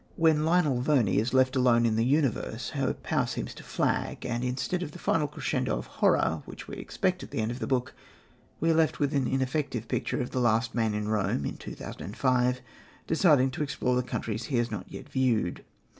When Lionel Verney is left alone in the universe, her power seems to flag, and instead of the final crescendo of horror, which we expect at the end of the book, we are left with an ineffective picture of the last man in Rome in 2005 deciding to explore the countries he has not yet viewed.